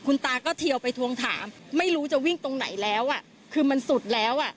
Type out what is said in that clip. คุณตาก็เทียวไปทวงถามไม่รู้จะวิ่งตรงไหนแล้วอ่ะคือมันสุดแล้วอ่ะ